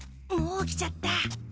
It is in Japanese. もう来ちゃった。